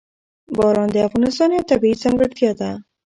باران د افغانستان یوه طبیعي ځانګړتیا ده.